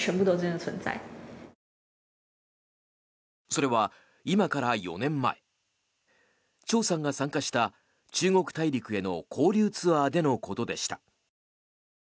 それは今から４年前チョウさんが参加した中国大陸への交流ツアーでのことでした。